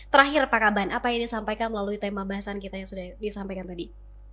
terakhir pak kaban apa yang disampaikan melalui tema bahasan kita yang sudah disampaikan tadi